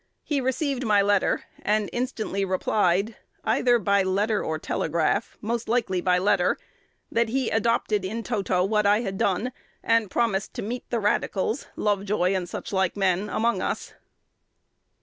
He received my letter, and instantly replied, either by letter or telegraph, most likely by letter, that he adopted in toto what I had done, and promised to meet the radicals Lovejoy, and suchlike men among us."